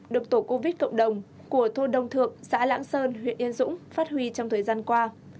được tổ covid cộng đồng của thôn đông thượng xã lãng sơn huyện yên dũng phát huy trong thời gian qua